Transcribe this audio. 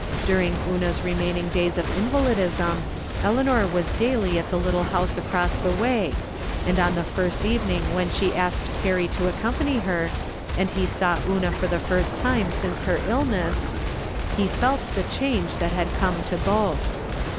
During Una's remain ing days of invalidism Eleanor was daily at the little house across the way, and on the first even ing when she asked Perry to accompany her, and he saw Una for the first time since her illness, he felt the change that had come to both.